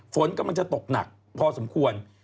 ฝนกำลังจะตกหนักพอสมควร